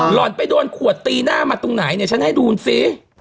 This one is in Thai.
ห่อนไปโดนขวดตีหน้ามาตรงไหนเนี่ยฉันให้ดูสิ